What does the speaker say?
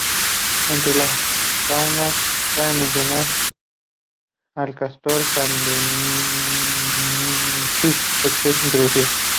Entre la fauna cabe mencionar al "castor canadensis", especie introducida.